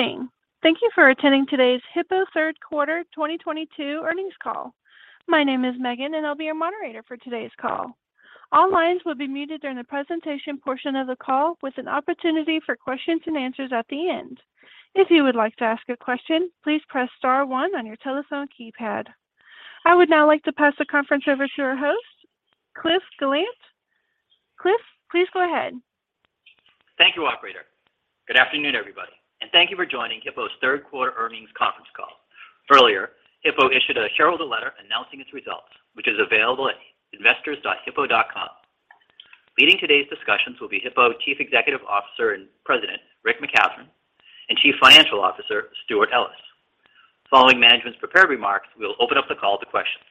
Good evening. Thank you for attending today's Hippo third quarter 2022 earnings call. My name is Megan, and I'll be your moderator for today's call. All lines will be muted during the presentation portion of the call with an opportunity for questions and answers at the end. If you would like to ask a question, please press star one on your telephone keypad. I would now like to pass the conference over to our host, Cliff Gallant. Cliff, please go ahead. Thank you, operator. Good afternoon, everybody, and thank you for joining Hippo's third quarter earnings conference call. Earlier, Hippo issued a shareholder letter announcing its results, which is available at investors.hippo.com. Leading today's discussions will be Hippo Chief Executive Officer and President, Rick McCathron, and Chief Financial Officer, Stewart Ellis. Following management's prepared remarks, we will open up the call to questions.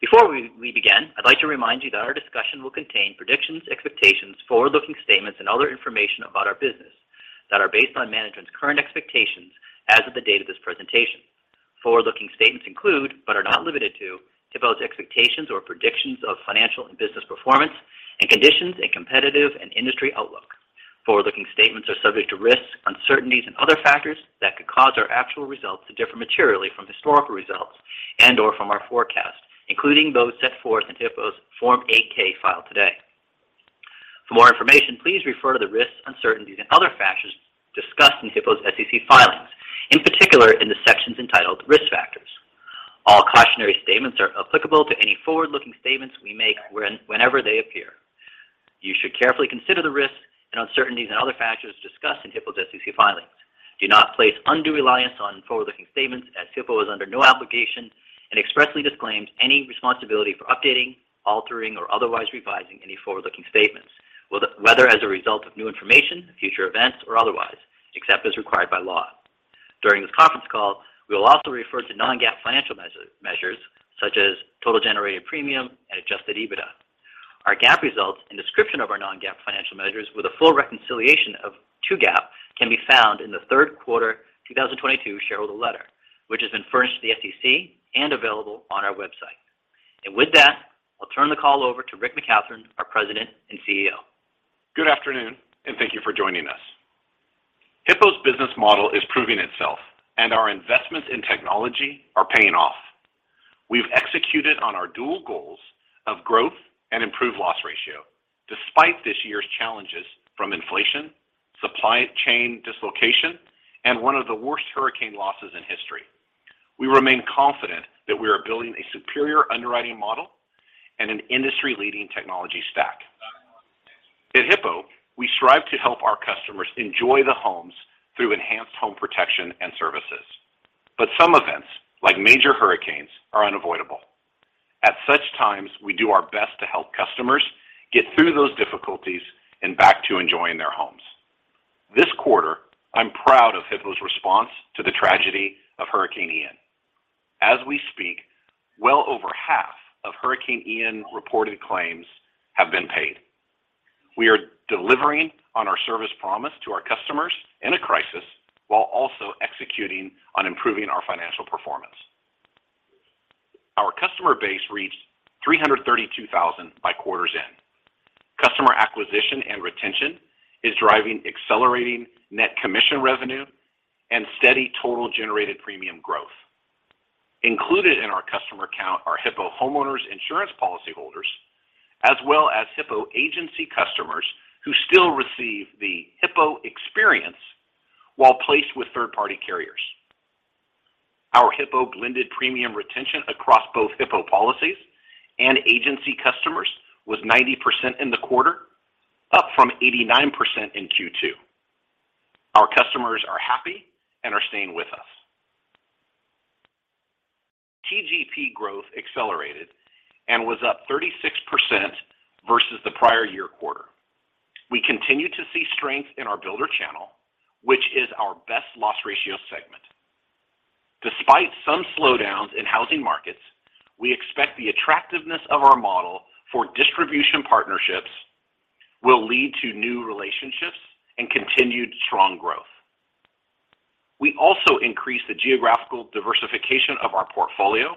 Before we begin, I'd like to remind you that our discussion will contain predictions, expectations, forward-looking statements, and other information about our business that are based on management's current expectations as of the date of this presentation. Forward-looking statements include, but are not limited to, Hippo's expectations or predictions of financial and business performance and conditions and competitive and industry outlook. Forward-looking statements are subject to risks, uncertainties and other factors that could cause our actual results to differ materially from historical results and/or from our forecasts, including those set forth in Hippo's Form 8-K filed today. For more information, please refer to the risks, uncertainties and other factors discussed in Hippo's SEC filings. In particular, in the sections entitled Risk Factors. All cautionary statements are applicable to any forward-looking statements we make whenever they appear. You should carefully consider the risks and uncertainties and other factors discussed in Hippo's SEC filings. Do not place undue reliance on forward-looking statements as Hippo is under no obligation and expressly disclaims any responsibility for updating, altering, or otherwise revising any forward-looking statements, whether as a result of new information, future events, or otherwise, except as required by law. During this conference call, we will also refer to non-GAAP financial measures such as total generated premium and adjusted EBITDA. Our GAAP results and description of our non-GAAP financial measures with a full reconciliation to GAAP can be found in the third quarter 2022 shareholder letter, which has been furnished to the SEC and available on our website. With that, I'll turn the call over to Rick McCathron, our President and CEO. Good afternoon, and thank you for joining us. Hippo's business model is proving itself, and our investments in technology are paying off. We've executed on our dual goals of growth and improved loss ratio despite this year's challenges from inflation, supply chain dislocation, and one of the worst hurricane losses in history. We remain confident that we are building a superior underwriting model and an industry-leading technology stack. At Hippo, we strive to help our customers enjoy their homes through enhanced home protection and services. Some events, like major hurricanes, are unavoidable. At such times, we do our best to help customers get through those difficulties and back to enjoying their homes. This quarter, I'm proud of Hippo's response to the tragedy of Hurricane Ian. As we speak, well over half of Hurricane Ian-reported claims have been paid. We are delivering on our service promise to our customers in a crisis while also executing on improving our financial performance. Our customer base reached 332,000 by quarter's end. Customer acquisition and retention is driving accelerating net commission revenue and steady total generated premium growth. Included in our customer count are Hippo homeowners insurance policyholders, as well as Hippo agency customers who still receive the Hippo experience while placed with third-party carriers. Our Hippo blended premium retention across both Hippo policies and agency customers was 90% in the quarter, up from 89% in Q2. Our customers are happy and are staying with us. TGP growth accelerated and was up 36% versus the prior year quarter. We continue to see strength in our builder channel, which is our best loss ratio segment. Despite some slowdowns in housing markets, we expect the attractiveness of our model for distribution partnerships will lead to new relationships and continued strong growth. We also increased the geographical diversification of our portfolio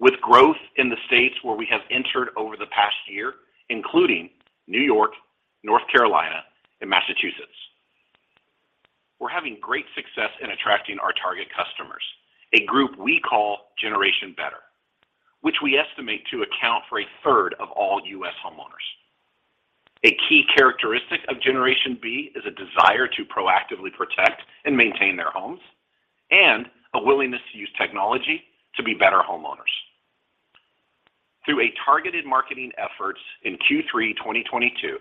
with growth in the states where we have entered over the past year, including New York, North Carolina, and Massachusetts. We're having great success in attracting our target customers, a group we call Generation Better, which we estimate to account for a third of all U.S. homeowners. A key characteristic of Generation Better is a desire to proactively protect and maintain their homes and a willingness to use technology to be better homeowners. Through a targeted marketing efforts in Q3 2022,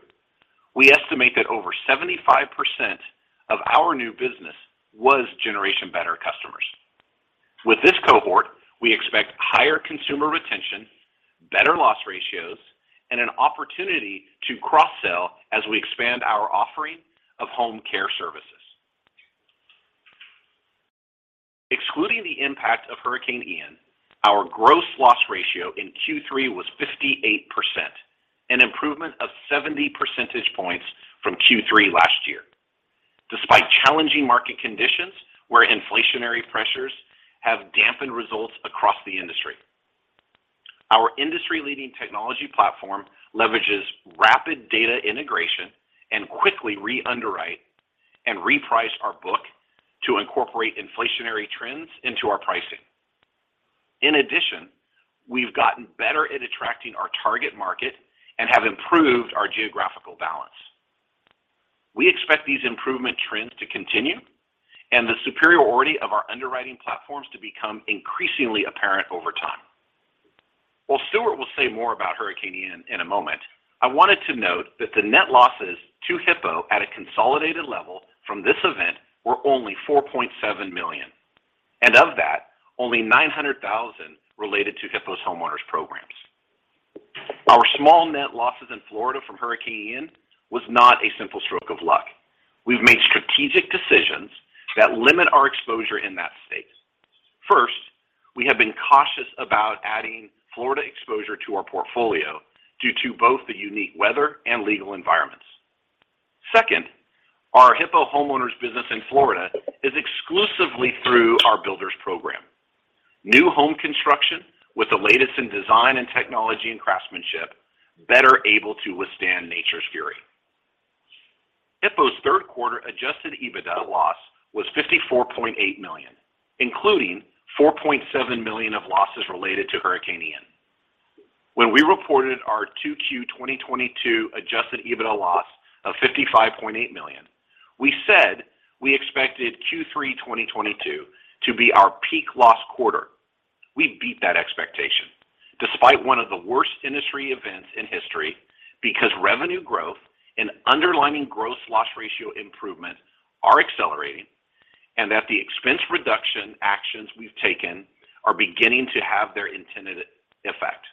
we estimate that over 75% of our new business was Generation Better customers. With this cohort, we expect higher consumer retention, better loss ratios, and an opportunity to cross-sell as we expand our offering of home care services. Excluding the impact of Hurricane Ian, our gross loss ratio in Q3 was 58%, an improvement of 70 percentage points from Q3 last year. Despite challenging market conditions where inflationary pressures have dampened results across the industry, our industry-leading technology platform leverages rapid data integration and quickly re-underwrite and reprice our book to incorporate inflationary trends into our pricing. In addition, we've gotten better at attracting our target market and have improved our geographical balance. We expect these improvement trends to continue and the superiority of our underwriting platforms to become increasingly apparent over time. While Stewart will say more about Hurricane Ian in a moment, I wanted to note that the net losses to Hippo at a consolidated level from this event were only $4.7 million, and of that, only $900,000 related to Hippo's homeowners programs. Our small net losses in Florida from Hurricane Ian was not a simple stroke of luck. We've made strategic decisions that limit our exposure in that state. First, we have been cautious about adding Florida exposure to our portfolio due to both the unique weather and legal environments. Second, our Hippo homeowners business in Florida is exclusively through our builders program. New home construction with the latest in design and technology and craftsmanship, better able to withstand nature's fury. Hippo's third quarter adjusted EBITDA loss was $54.8 million, including $4.7 million of losses related to Hurricane Ian. When we reported our 2Q 2022 adjusted EBITDA loss of $55.8 million, we said we expected Q3 2022 to be our peak loss quarter. We beat that expectation despite one of the worst industry events in history, because revenue growth and underlying gross loss ratio improvement are accelerating, and that the expense reduction actions we've taken are beginning to have their intended effect.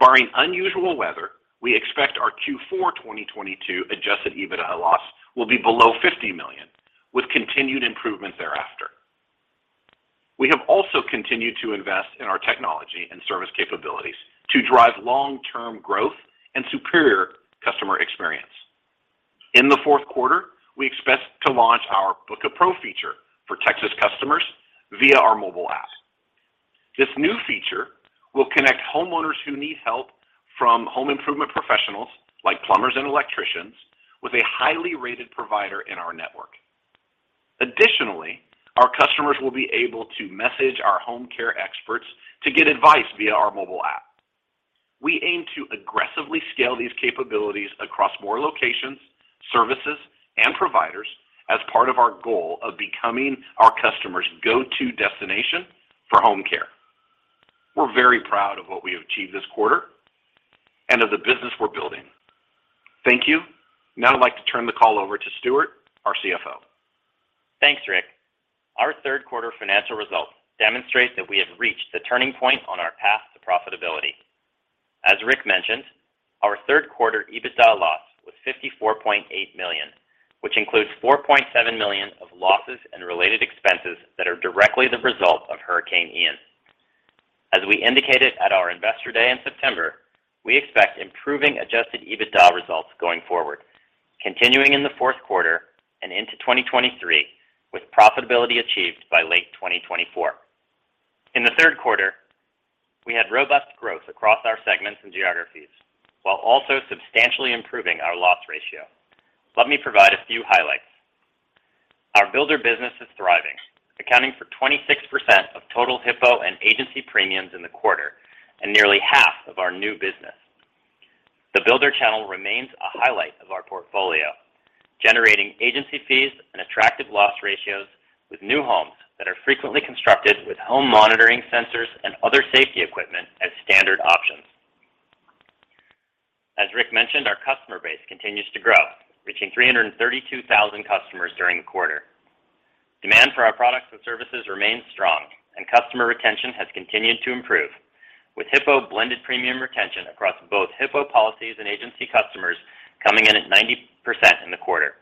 Barring unusual weather, we expect our Q4 2022 adjusted EBITDA loss will be below $50 million, with continued improvement thereafter. We have also continued to invest in our technology and service capabilities to drive long-term growth and superior customer experience. In the fourth quarter, we expect to launch our BookaPro feature for Texas customers via our mobile app. This new feature will connect homeowners who need help from home improvement professionals, like plumbers and electricians, with a highly rated provider in our network. Additionally, our customers will be able to message our home care experts to get advice via our mobile app. We aim to aggressively scale these capabilities across more locations, services, and providers as part of our goal of becoming our customers' go-to destination for home care. We're very proud of what we achieved this quarter and of the business we're building. Thank you. Now I'd like to turn the call over to Stewart, our CFO. Thanks, Rick. Our third quarter financial results demonstrate that we have reached the turning point on our path to profitability. As Rick mentioned, our third quarter EBITDA loss was $54.8 million, which includes $4.7 million of losses and related expenses that are directly the result of Hurricane Ian. As we indicated at our Investor Day in September, we expect improving adjusted EBITDA results going forward, continuing in the fourth quarter and into 2023, with profitability achieved by late 2024. In the third quarter, we had robust growth across our segments and geographies, while also substantially improving our loss ratio. Let me provide a few highlights. Our builder business is thriving, accounting for 26% of total Hippo and agency premiums in the quarter and nearly half of our new business. The builder channel remains a highlight of our portfolio, generating agency fees and attractive loss ratios with new homes that are frequently constructed with home monitoring sensors and other safety equipment as standard options. As Rick mentioned, our customer base continues to grow, reaching 332,000 customers during the quarter. Demand for our products and services remains strong and customer retention has continued to improve, with Hippo blended premium retention across both Hippo policies and agency customers coming in at 90% in the quarter,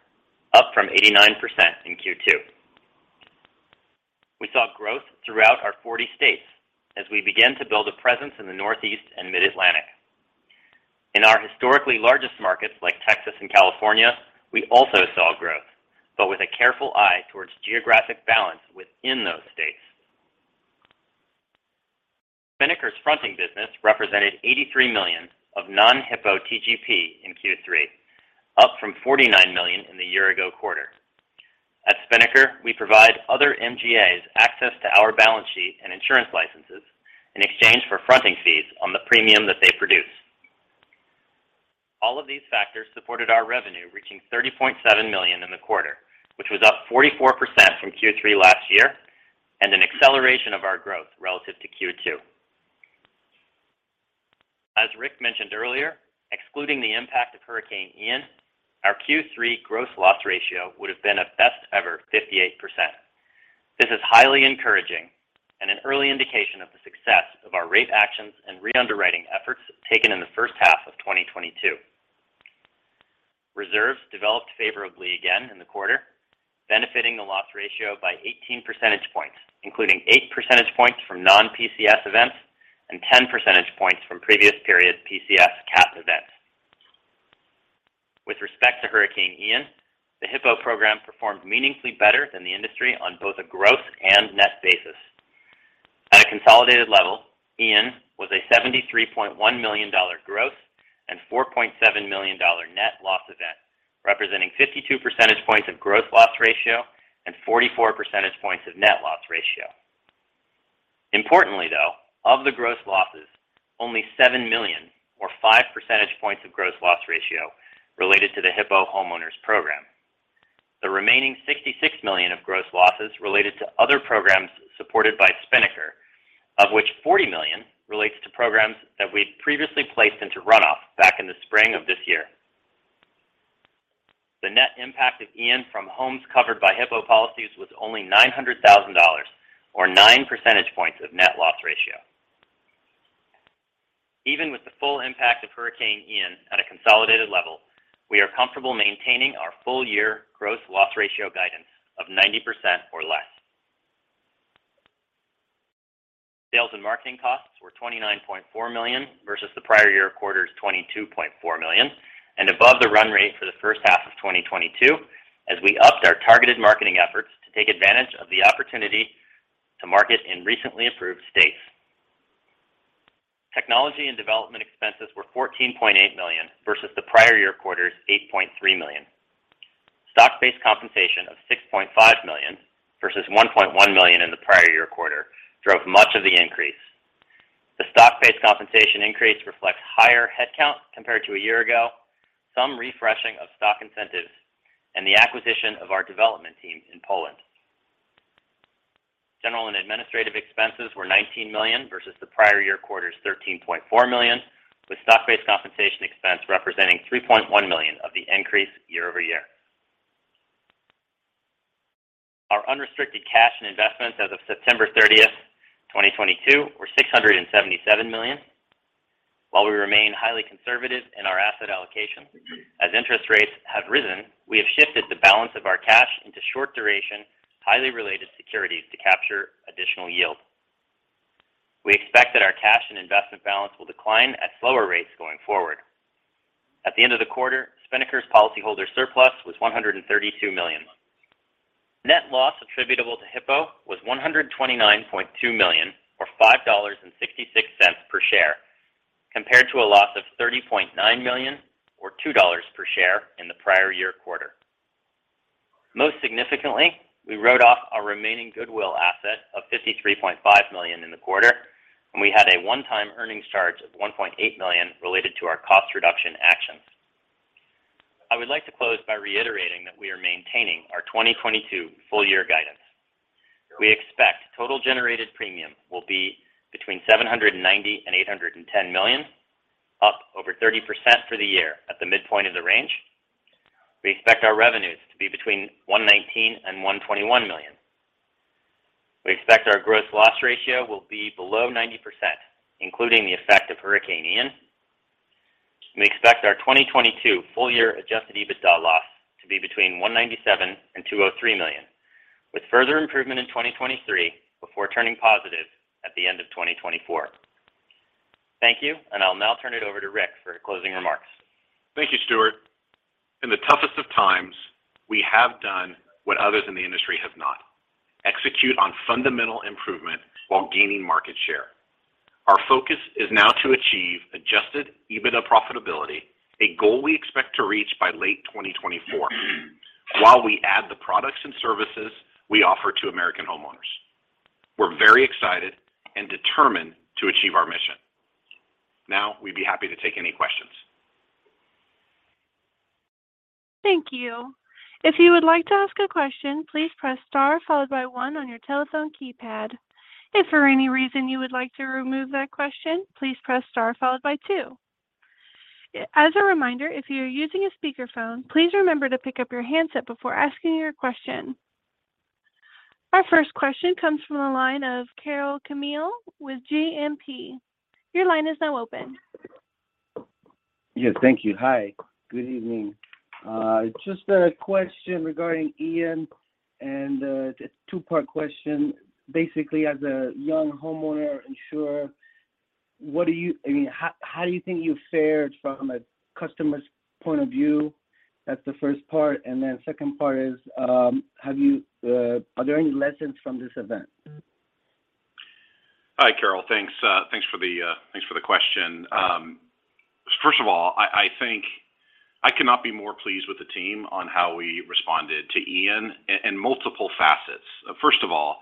up from 89% in Q2. We saw growth throughout our 40 states as we begin to build a presence in the Northeast and mid-Atlantic. In our historically largest markets like Texas and California, we also saw growth, but with a careful eye towards geographic balance within those states. Spinnaker's fronting business represented $83 million of non-Hippo TGP in Q3, up from $49 million in the year-ago quarter. At Spinnaker, we provide other MGAs access to our balance sheet and insurance licenses in exchange for fronting fees on the premium that they produce. All of these factors supported our revenue reaching $30.7 million in the quarter, which was up 44% from Q3 last year, and an acceleration of our growth relative to Q2. As Rick mentioned earlier, excluding the impact of Hurricane Ian, our Q3 gross loss ratio would have been a best ever 58%. This is highly encouraging and an early indication of the success of our rate actions and re-underwriting efforts taken in the first half of 2022. Reserves developed favorably again in the quarter, benefiting the loss ratio by 18 percentage points, including 8 percentage points from non-PCS events and 10 percentage points from previous period PCS CAT events. With respect to Hurricane Ian, the Hippo program performed meaningfully better than the industry on both a gross and net basis. At a consolidated level, Ian was a $73.1 million gross and $4.7 million net loss event, representing 52 percentage points of gross loss ratio and 44 percentage points of net loss ratio. Importantly, though, of the gross losses, only $7 million or 5 percentage points of gross loss ratio related to the Hippo homeowners program. The remaining $66 million of gross losses related to other programs supported by Spinnaker, of which $40 million relates to programs that we'd previously placed into runoff back in the spring of this year. The net impact of Ian from homes covered by Hippo policies was only $900,000, or 9 percentage points of net loss ratio. Even with the full impact of Hurricane Ian at a consolidated level, we are comfortable maintaining our full year gross loss ratio guidance of 90% or less. Sales and marketing costs were $29.4 million versus the prior year quarter's $22.4 million and above the run rate for the first half of 2022 as we upped our targeted marketing efforts to take advantage of the opportunity to market in recently improved states. Technology and development expenses were $14.8 million versus the prior year quarter's $8.3 million. Stock-based compensation of $6.5 million versus $1.1 million in the prior year quarter drove much of the increase. The stock-based compensation increase reflects higher headcount compared to a year ago, some refreshing of stock incentives, and the acquisition of our development team in Poland. General and administrative expenses were $19 million versus the prior year quarter's $13.4 million, with stock-based compensation expense representing $3.1 million of the increase year-over-year. Our unrestricted cash and investments as of September 30th, 2022 were $677 million. While we remain highly conservative in our asset allocation, as interest rates have risen, we have shifted the balance of our cash into short duration, highly rated securities to capture additional yield. We expect that our cash and investment balance will decline at slower rates going forward. At the end of the quarter, Spinnaker's policyholder surplus was $132 million. Net loss attributable to Hippo was $129.2 million, or $5.66 per share, compared to a loss of $39.9 million, or $2 per share in the prior year quarter. Most significantly, we wrote off our remaining goodwill asset of $53.5 million in the quarter, and we had a one-time earnings charge of $1.8 million related to our cost reduction actions. I would like to close by reiterating that we are maintaining our 2022 full year guidance. We expect total generated premium will be between $790 million and $810 million, up over 30% for the year at the midpoint of the range. We expect our revenues to be between $119 million and $121 million. We expect our gross loss ratio will be below 90%, including the effect of Hurricane Ian. We expect our 2022 full year adjusted EBITDA loss to be between $197 million and $203 million, with further improvement in 2023 before turning positive at the end of 2024. Thank you. I'll now turn it over to Rick for closing remarks. Thank you, Stewart. In the toughest of times, we have done what others in the industry have not, execute on fundamental improvement while gaining market share. Our focus is now to achieve Adjusted EBITDA profitability, a goal we expect to reach by late 2024 while we add the products and services we offer to American homeowners. We're very excited and determined to achieve our mission. Now, we'd be happy to take any questions. Thank you. If you would like to ask a question, please press star followed by one on your telephone keypad. If for any reason you would like to remove that question, please press star followed by two. As a reminder, if you are using a speakerphone, please remember to pick up your handset before asking your question. Our first question comes from the line of [Carel Camille] with JMP. Your line is now open. Yes, thank you. Hi, good evening. Just a question regarding Hurricane Ian, and it's a two-part question. Basically, as a young homeowner insurer, I mean, how do you think you fared from a customer's point of view? That's the first part. Second part is, are there any lessons from this event? Hi, Carel. Thanks for the question. First of all, I think I cannot be more pleased with the team on how we responded to Hurricane Ian in multiple facets. First of all,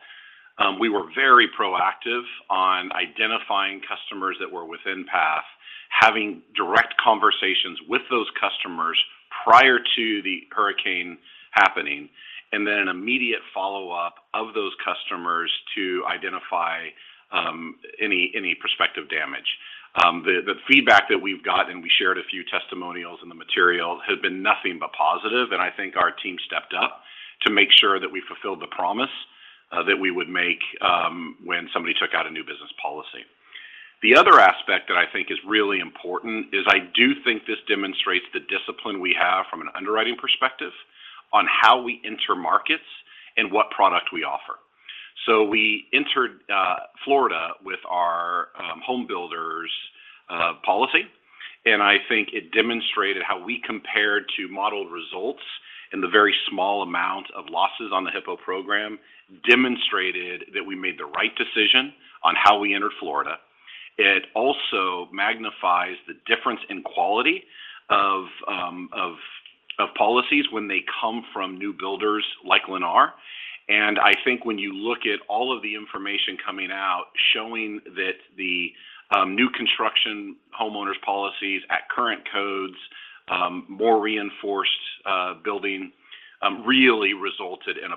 we were very proactive on identifying customers that were within path, having direct conversations with those customers prior to the hurricane happening, and then an immediate follow-up of those customers to identify any prospective damage. The feedback that we've got, and we shared a few testimonials in the material, has been nothing but positive, and I think our team stepped up to make sure that we fulfilled the promise that we would make when somebody took out a new business policy. The other aspect that I think is really important is I do think this demonstrates the discipline we have from an underwriting perspective on how we enter markets and what product we offer. We entered Florida with our home builders policy. I think it demonstrated how we compared to model results in the very small amount of losses on the Hippo program demonstrated that we made the right decision on how we entered Florida. It also magnifies the difference in quality of policies when they come from new builders like Lennar. I think when you look at all of the information coming out showing that the new construction homeowners policies at current codes, more reinforced building really resulted in a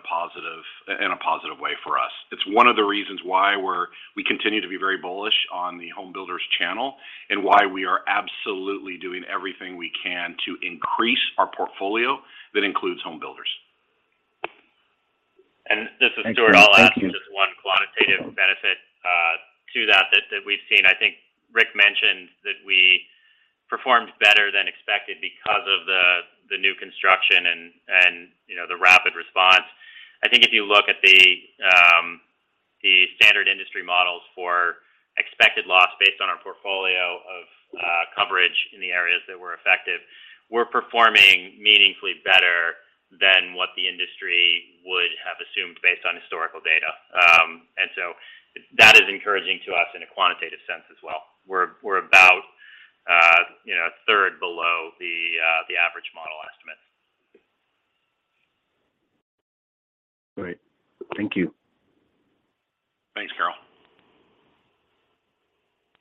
positive way for us. It's one of the reasons why we continue to be very bullish on the home builders channel and why we are absolutely doing everything we can to increase our portfolio that includes home builders. This is Stewart. Thanks, Stewart. Thank you. I'll add just one quantitative benefit to that we've seen. I think Rick mentioned that we performed better than expected because of the new construction and you know the rapid response. I think if you look at the standard industry models for expected loss based on our portfolio of coverage in the areas that were affected, we're performing meaningfully better than what the industry would have assumed based on historical data. That is encouraging to us in a quantitative sense as well. We're about you know a third below the average model estimate. All right. Thank you. Thanks, Carel.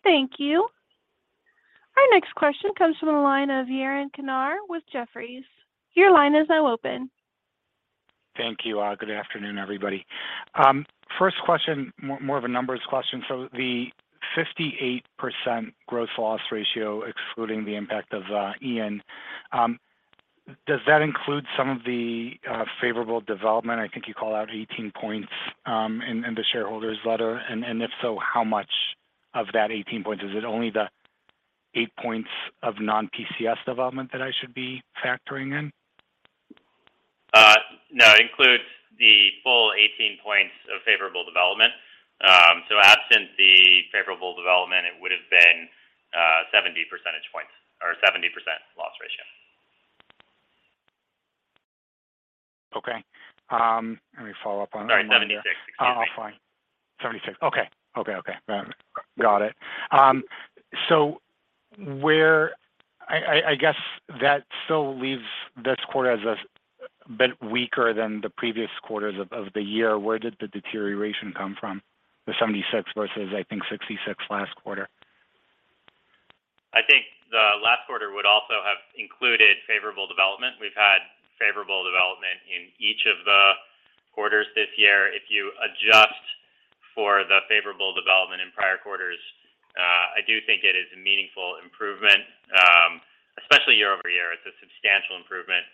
Thank you. Our next question comes from the line of Yaron Kinar with Jefferies. Your line is now open. Thank you. Good afternoon, everybody. First question, more of a numbers question. The 58% growth loss ratio excluding the impact of Ian, does that include some of the favorable development? I think you call out 18 points in the shareholder's letter. If so, how much of that 18 points? Is it only the 8 points of non-PCS development that I should be factoring in? No, it includes the full 18 points of favorable development. Absent the favorable development, it would've been 70 percentage points or 70% loss ratio. Okay. Let me follow up on- Sorry, 76. Excuse me. Oh, fine. 76%. Okay. Got it. I guess that still leaves this quarter as a bit weaker than the previous quarters of the year. Where did the deterioration come from, the 76% versus, I think, 66% last quarter? I think the last quarter would also have included favorable development. We've had favorable development in each of the quarters this year. If you adjust for the favorable development in prior quarters, I do think it is a meaningful improvement. Especially year-over-year, it's a substantial improvement,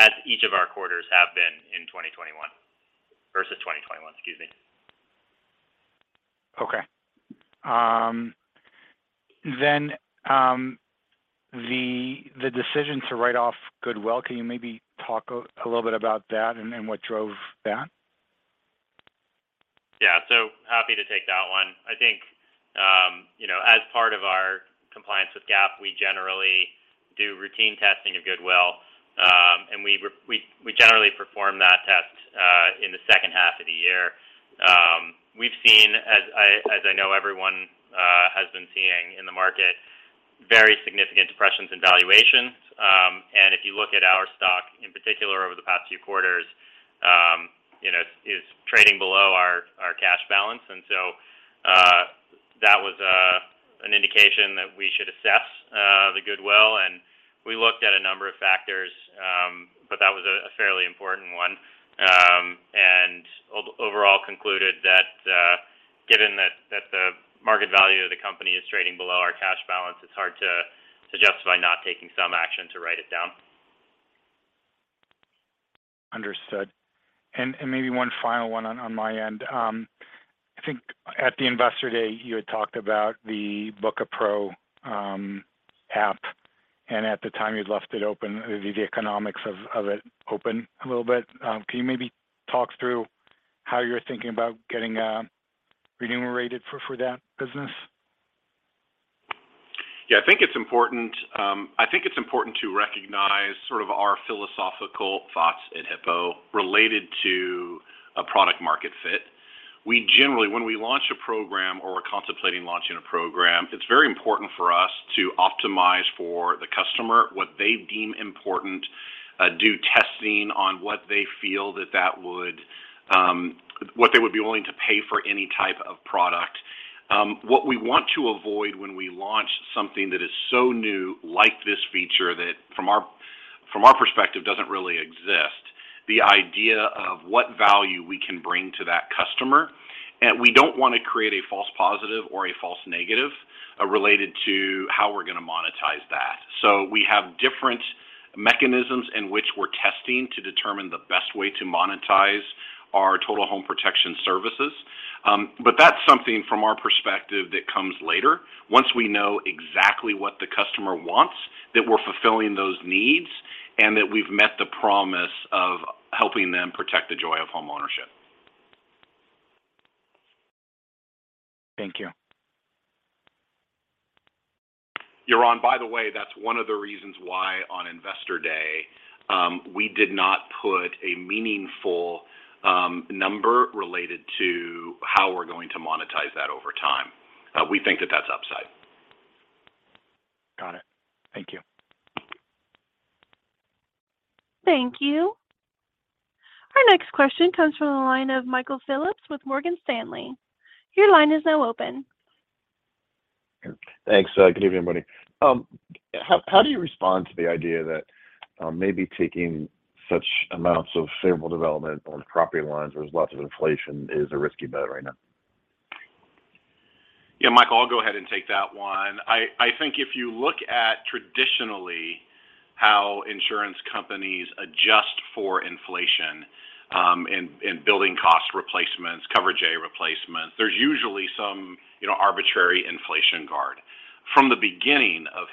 as each of our quarters have been in 2021 versus 2021, excuse me. Okay. The decision to write off goodwill, can you maybe talk a little bit about that and what drove that? Yeah. Happy to take that one. I think, you know, as part of our compliance with GAAP, we generally do routine testing of goodwill. We generally perform that test in the second half of the year. We've seen, as I know everyone has been seeing in the market, very significant depressions in valuations. If you look at our stock in particular over the past few quarters, you know, is trading below our cash balance. That was an indication that we should assess the goodwill. We looked at a number of factors, but that was a fairly important one. Overall concluded that, given that, the market value of the company is trading below our cash balance, it's hard to justify not taking some action to write it down. Understood. Maybe one final one on my end. I think at the Investor Day, you had talked about the BookaPro app, and at the time, you'd left the economics of it open a little bit. Can you maybe talk through how you're thinking about getting remunerated for that business? Yeah. I think it's important to recognize sort of our philosophical thoughts at Hippo related to a product market fit. We generally, when we launch a program or we're contemplating launching a program, it's very important for us to optimize for the customer, what they deem important, do testing on what they feel that would, what they would be willing to pay for any type of product. What we want to avoid when we launch something that is so new like this feature that from our perspective, doesn't really exist, the idea of what value we can bring to that customer. We don't wanna create a false positive or a false negative, related to how we're gonna monetize that. We have different mechanisms in which we're testing to determine the best way to monetize our total home protection services. That's something from our perspective that comes later. Once we know exactly what the customer wants, that we're fulfilling those needs and that we've met the promise of helping them protect the joy of homeownership. Thank you. Yaron, by the way, that's one of the reasons why on Investor Day, we did not put a meaningful number related to how we're going to monetize that over time. We think that that's upside. Got it. Thank you. Thank you. Our next question comes from the line of Michael Phillips with Morgan Stanley. Your line is now open. Thanks. Good evening, everybody. How do you respond to the idea that maybe taking such amounts of favorable development on property lines where there's lots of inflation is a risky bet right now? Yeah, Michael, I'll go ahead and take that one. I think if you look at traditionally how insurance companies adjust for inflation, in building cost replacements, coverage A replacements, there's usually some, you know, arbitrary inflation guard. From the beginning of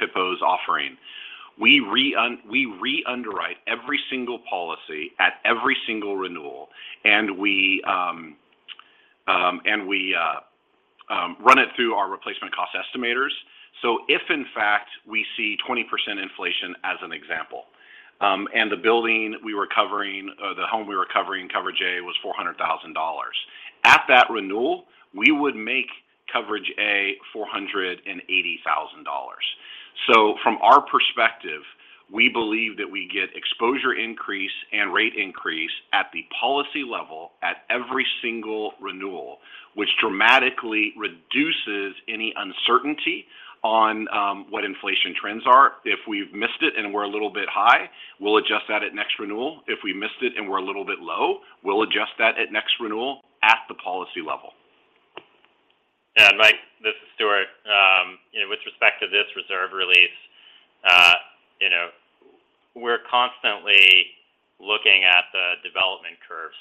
Hippo's offering, we re-underwrite every single policy at every single renewal, and we run it through our replacement cost estimators. If in fact we see 20% inflation as an example, and the building we were covering or the home we were covering, coverage A, was $400,000, at that renewal, we would make coverage A $480,000. From our perspective, we believe that we get exposure increase and rate increase at the policy level at every single renewal, which dramatically reduces any uncertainty on what inflation trends are. If we've missed it and we're a little bit high, we'll adjust that at next renewal. If we missed it and we're a little bit low, we'll adjust that at next renewal at the policy level. Yeah, Michael, this is Stewart. You know, with respect to this reserve release, you know, we're constantly looking at the development curves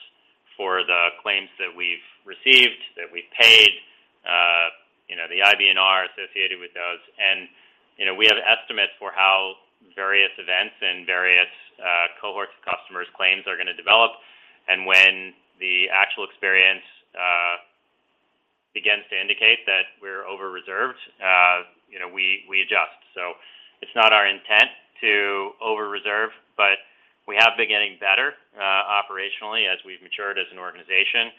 for the claims that we've received, that we've paid, you know, the IBNR associated with those. You know, we have estimates for how various events and various cohorts of customers' claims are gonna develop. When the actual experience begins to indicate that we're over-reserved, you know, we adjust. It's not our intent to over-reserve, but we have been getting better operationally as we've matured as an organization.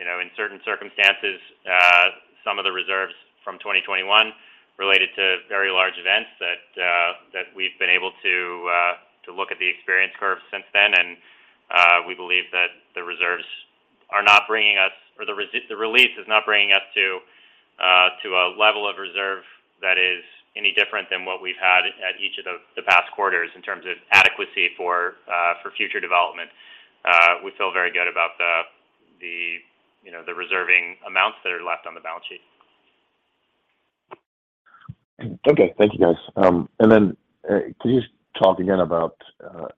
You know, in certain circumstances, some of the reserves from 2021 related to very large events that we've been able to look at the experience curves since then, and we believe that the reserves are not bringing us, or the release is not bringing us to a level of reserve that is any different than what we've had at each of the past quarters in terms of adequacy for future development. We feel very good about the, you know, the reserving amounts that are left on the balance sheet. Okay. Thank you, guys. Can you just talk again about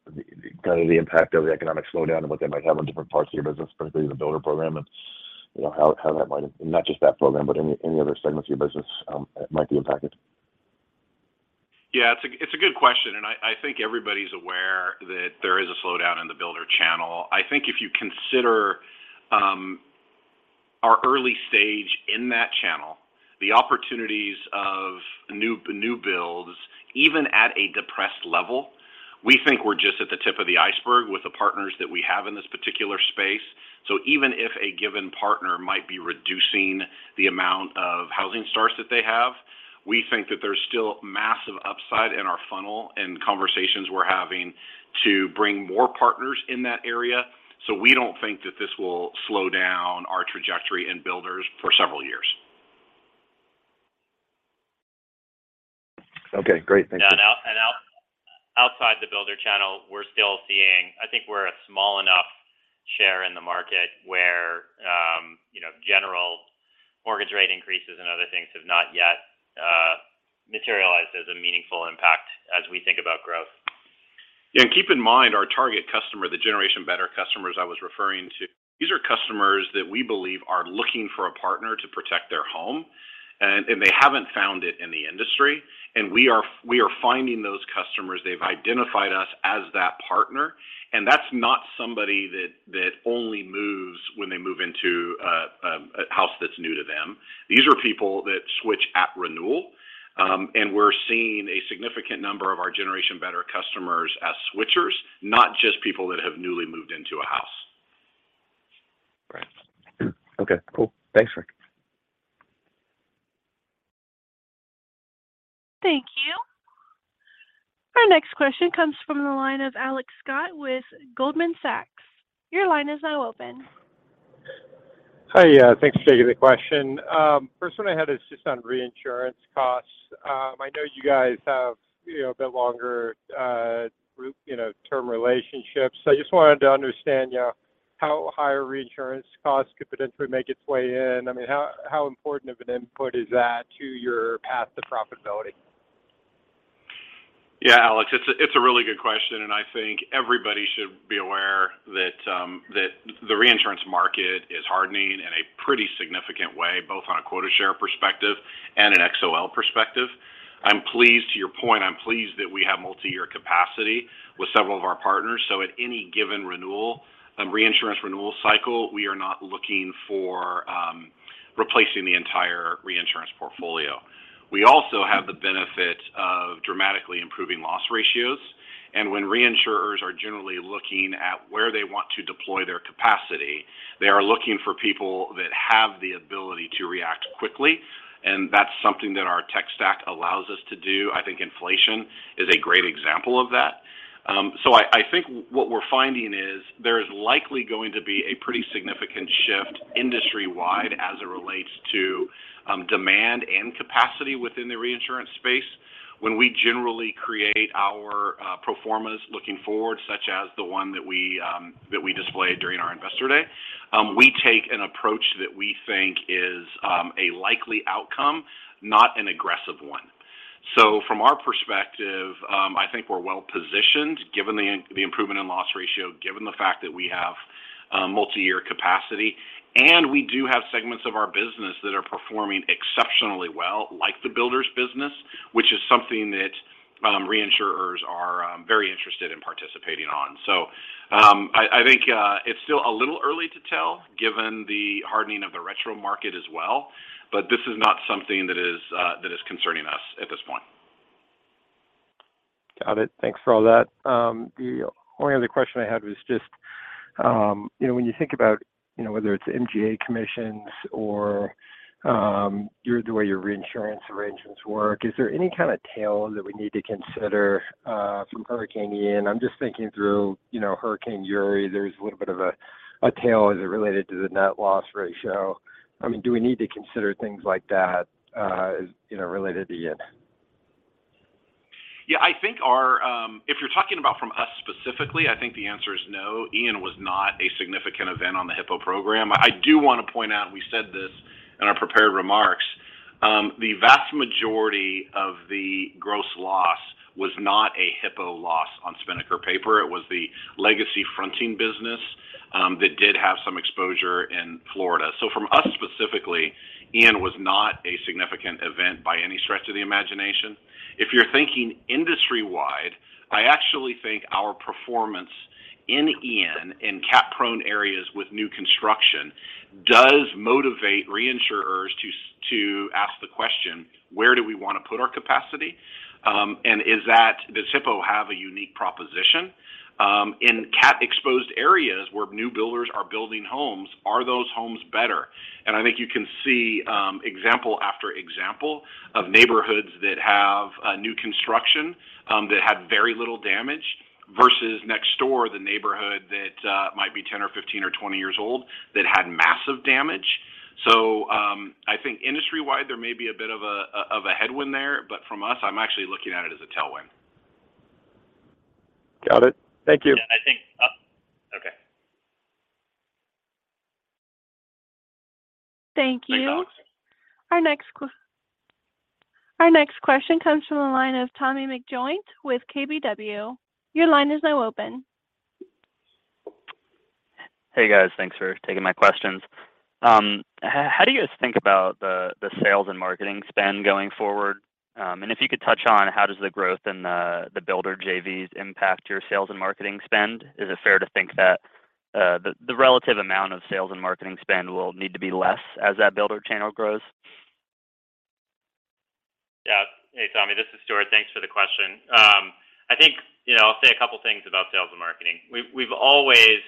the kind of impact of the economic slowdown and what that might have on different parts of your business, particularly the builder program and, you know, how that might have not just that program, but any other segments of your business might be impacted? Yeah, it's a good question. I think everybody's aware that there is a slowdown in the builder channel. I think if you consider our early stage in that channel, the opportunities of new builds, even at a depressed level, we think we're just at the tip of the iceberg with the partners that we have in this particular space. Even if a given partner might be reducing the amount of housing starts that they have, we think that there's still massive upside in our funnel and conversations we're having to bring more partners in that area. We don't think that this will slow down our trajectory in builders for several years. Okay. Great. Thank you. Yeah. Outside the builder channel, we're still seeing. I think we're a small enough share in the market where, you know, general mortgage rate increases and other things have not yet materialized as a meaningful impact as we think about growth. Yeah, keep in mind our target customer, the Generation Better customers I was referring to. These are customers that we believe are looking for a partner to protect their home, and they haven't found it in the industry. We are finding those customers. They've identified us as that partner, and that's not somebody that only moves when they move into a house that's new to them. These are people that switch at renewal, and we're seeing a significant number of our Generation Better customers as switchers, not just people that have newly moved into a house. Great. Okay, cool. Thanks, Rick. Thank you. Our next question comes from the line of Alex Scott with Goldman Sachs. Your line is now open. Hi. Yeah. Thanks for taking the question. First one I had is just on reinsurance costs. I know you guys have, you know, a bit longer, group, you know, term relationships. I just wanted to understand, you know, how higher reinsurance costs could potentially make its way in. I mean, how important of an input is that to your path to profitability? Yeah, Alex, it's a really good question, and I think everybody should be aware that the reinsurance market is hardening in a pretty significant way, both on a quota share perspective and an XOL perspective. To your point, I'm pleased that we have multi-year capacity with several of our partners. At any given renewal, reinsurance renewal cycle, we are not looking for replacing the entire reinsurance portfolio. We also have the benefit of dramatically improving loss ratios. When reinsurers are generally looking at where they want to deploy their capacity, they are looking for people that have the ability to react quickly, and that's something that our tech stack allows us to do. I think inflation is a great example of that. I think what we're finding is there is likely going to be a pretty significant shift industry-wide as it relates to demand and capacity within the reinsurance space. When we generally create our pro formas looking forward, such as the one that we displayed during our investor day, we take an approach that we think is a likely outcome, not an aggressive one. From our perspective, I think we're well-positioned, given the improvement in loss ratio, given the fact that we have multi-year capacity, and we do have segments of our business that are performing exceptionally well, like the builders business, which is something that reinsurers are very interested in participating on. I think it's still a little early to tell given the hardening of the retro market as well, but this is not something that is concerning us at this point. Got it. Thanks for all that. The only other question I had was just, you know, when you think about, you know, whether it's MGA commissions or the way your reinsurance arrangements work, is there any kind of tail that we need to consider from Hurricane Ian? I'm just thinking through, you know, Winter Storm Uri, there's a little bit of a tail as it related to the net loss ratio. I mean, do we need to consider things like that, you know, related to Ian? Yeah. I think our. If you're talking about from us specifically, I think the answer is no. Ian was not a significant event on the Hippo program. I do wanna point out, and we said this in our prepared remarks, the vast majority of the gross loss was not a Hippo loss on Spinnaker paper. It was the legacy fronting business, that did have some exposure in Florida. From us specifically, Ian was not a significant event by any stretch of the imagination. If you're thinking industry-wide, I actually think our performance in Ian in cat-prone areas with new construction does motivate reinsurers to ask the question, "Where do we wanna put our capacity? And does Hippo have a unique proposition? In CAT-exposed areas where new builders are building homes, are those homes better? I think you can see example after example of neighborhoods that have new construction that had very little damage versus next door, the neighborhood that might be 10 or 15 or 20 years old that had massive damage. I think industry-wide, there may be a bit of a headwind there, but from us, I'm actually looking at it as a tailwind. Got it. Thank you. Yeah, I think, okay. Thank you. Our next question comes from the line of Tommy McJoynt with KBW. Your line is now open. Hey, guys. Thanks for taking my questions. How do you guys think about the sales and marketing spend going forward? If you could touch on how does the growth in the builder JVs impact your sales and marketing spend? Is it fair to think that the relative amount of sales and marketing spend will need to be less as that builder channel grows? Yeah. Hey, Tommy. This is Stewart. Thanks for the question. I think, you know, I'll say a couple things about sales and marketing. We've always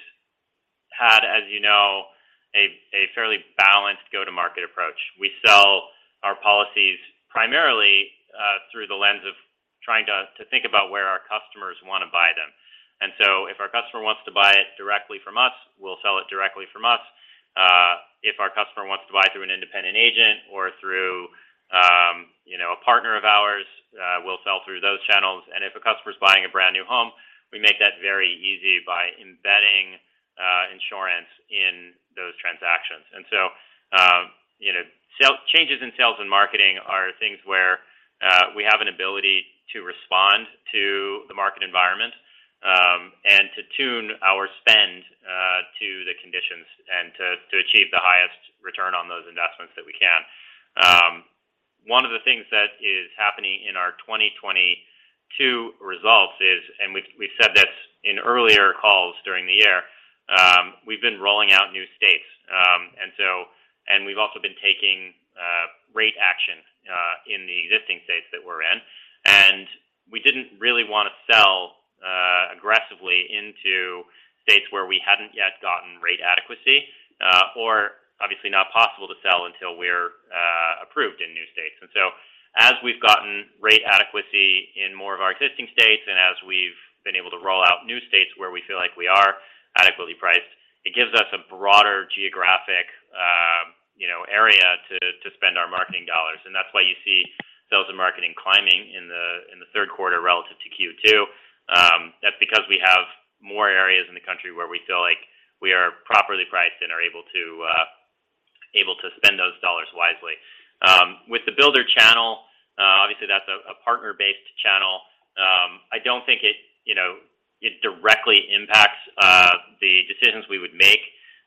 had, as you know, a fairly balanced go-to-market approach. We sell our policies primarily through the lens of trying to think about where our customers wanna buy them. If our customer wants to buy it directly from us, we'll sell it directly from us. If our customer wants to buy through an independent agent or through a partner of ours, we'll sell through those channels. If a customer's buying a brand-new home, we make that very easy by embedding insurance in those transactions. You know, changes in sales and marketing are things where we have an ability to respond to the market environment, and to tune our spend to the conditions and to achieve the highest return on those investments that we can. One of the things that is happening in our 2022 results is we've said this in earlier calls during the year. We've been rolling out new states. We've also been taking rate action in the existing states that we're in. We didn't really wanna sell aggressively into states where we hadn't yet gotten rate adequacy, or obviously not possible to sell until we're approved in new states. As we've gotten rate adequacy in more of our existing states and as we've been able to roll out new states where we feel like we are adequately priced, it gives us a broader geographic, you know, area to spend our marketing dollars. That's why you see sales and marketing climbing in the third quarter relative to Q2. Because we have more areas in the country where we feel like we are properly priced and are able to spend those dollars wisely. With the builder channel, obviously that's a partner-based channel. I don't think it, you know, it directly impacts the decisions we would make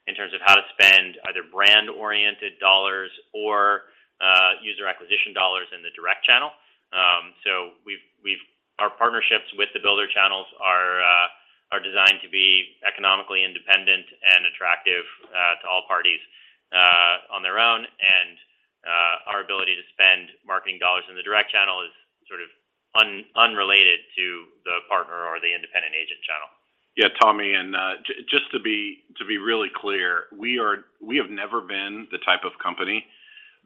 in terms of how to spend either brand-oriented dollars or user acquisition dollars in the direct channel. Our partnerships with the builder channels are designed to be economically independent and attractive to all parties on their own. Our ability to spend marketing dollars in the direct channel is sort of unrelated to the partner or the independent agent channel. Yeah. Tommy, just to be really clear, we have never been the type of company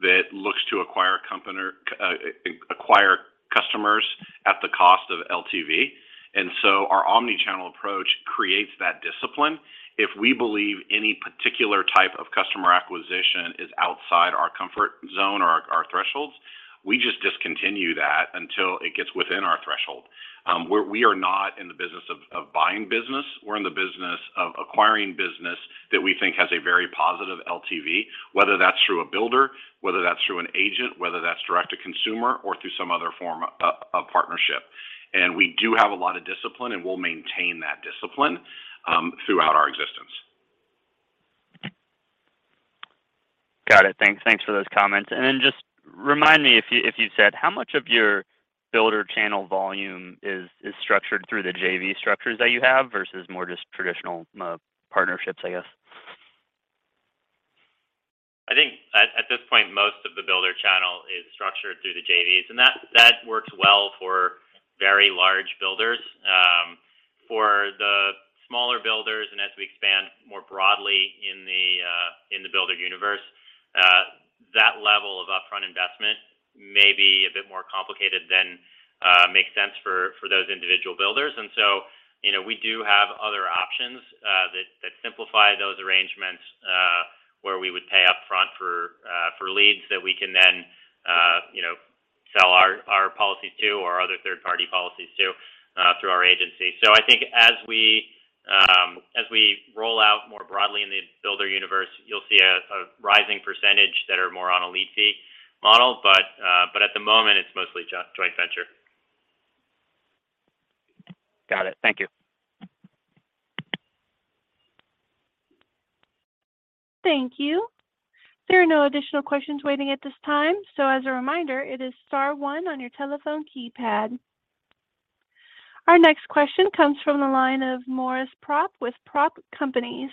that looks to acquire a company or acquire customers at the cost of LTV, and so our omni-channel approach creates that discipline. If we believe any particular type of customer acquisition is outside our comfort zone or our thresholds, we just discontinue that until it gets within our threshold. We're not in the business of buying business. We're in the business of acquiring business that we think has a very positive LTV, whether that's through a builder, whether that's through an agent, whether that's direct to consumer or through some other form of partnership. We do have a lot of discipline, and we'll maintain that discipline throughout our existence. Got it. Thanks. Thanks for those comments. Just remind me if you said, how much of your builder channel volume is structured through the JV structures that you have versus more just traditional, partnerships, I guess? I think at this point, most of the builder channel is structured through the JVs, and that works well for very large builders. For the smaller builders, as we expand more broadly in the builder universe, that level of upfront investment may be a bit more complicated than makes sense for those individual builders. You know, we do have other options that simplify those arrangements, where we would pay upfront for leads that we can then you know, sell our policies to or other third party policies to through our agency. I think as we roll out more broadly in the builder universe, you'll see a rising percentage that are more on a lead fee model. At the moment it's mostly joint venture. Got it. Thank you. Thank you. There are no additional questions waiting at this time. As a reminder, it is star one on your telephone keypad. Our next question comes from the line of Morris Propp with Propp Companies.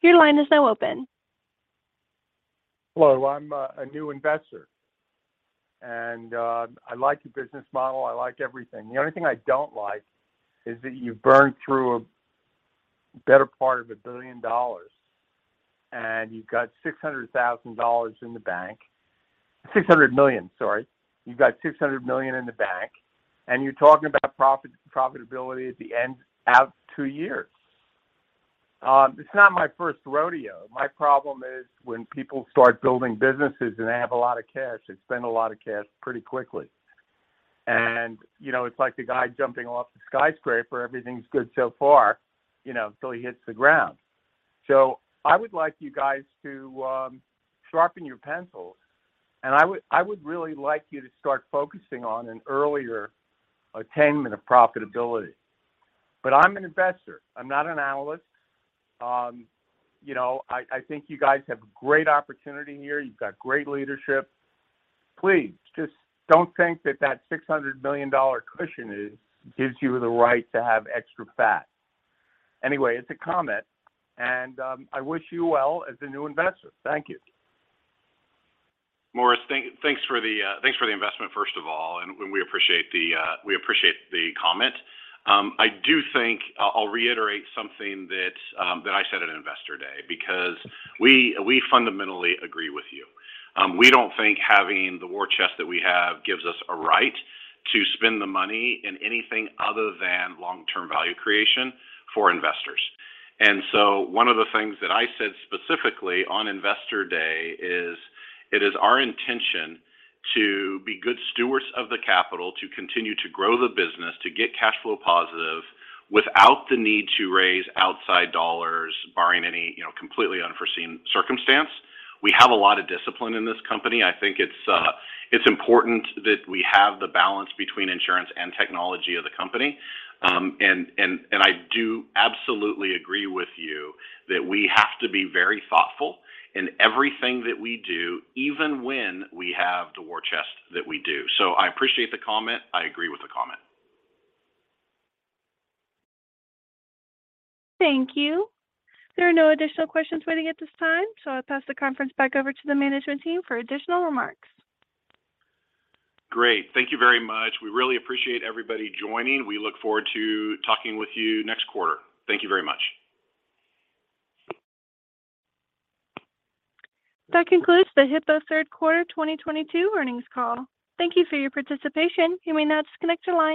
Your line is now open. Hello, I'm a new investor and I like your business model. I like everything. The only thing I don't like is that you've burned through a better part of $1 billion, and you've got $600 million in the bank. You're talking about profitability at the end of two years. It's not my first rodeo. My problem is when people start building businesses and they have a lot of cash, they spend a lot of cash pretty quickly. You know, it's like the guy jumping off the skyscraper. Everything's good so far, you know, until he hits the ground. I would like you guys to sharpen your pencils, and I would really like you to start focusing on an earlier attainment of profitability. I'm an investor. I'm not an analyst. You know, I think you guys have great opportunity here. You've got great leadership. Please just don't think that $600 million cushion gives you the right to have extra fat. Anyway, it's a comment and I wish you well as a new investor. Thank you. Morris, thanks for the investment first of all, and we appreciate the comment. I do think I'll reiterate something that I said at Investor Day, because we fundamentally agree with you. We don't think having the war chest that we have gives us a right to spend the money in anything other than long-term value creation for investors. One of the things that I said specifically on Investor Day is it is our intention to be good stewards of the capital, to continue to grow the business, to get cash flow positive without the need to raise outside dollars barring any, you know, completely unforeseen circumstance. We have a lot of discipline in this company. I think it's important that we have the balance between insurance and technology of the company. I do absolutely agree with you that we have to be very thoughtful in everything that we do, even when we have the war chest that we do. I appreciate the comment. I agree with the comment. Thank you. There are no additional questions waiting at this time, so I'll pass the conference back over to the management team for additional remarks. Great. Thank you very much. We really appreciate everybody joining. We look forward to talking with you next quarter. Thank you very much. That concludes the Hippo third quarter 2022 earnings call. Thank you for your participation. You may now disconnect your lines.